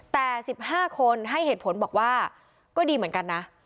แต่๑๕คนให้เหตุผลบอกว่าก็ดีเหมือนกันนะ